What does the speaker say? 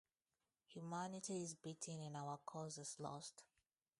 Humanity is beaten and our cause is lost!